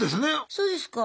そうですか。